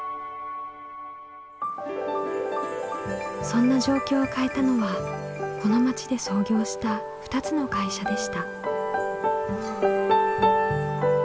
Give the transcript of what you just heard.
そんな状況を変えたのはこの町で創業した２つの会社でした。